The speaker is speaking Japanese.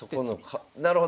なるほど。